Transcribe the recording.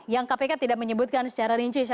yang kpk tidak menyebutkan secara rinci